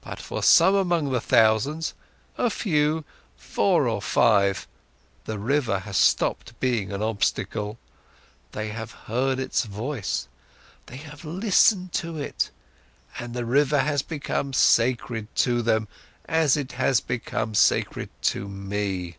But for some among thousands, a few, four or five, the river has stopped being an obstacle, they have heard its voice, they have listened to it, and the river has become sacred to them, as it has become sacred to me.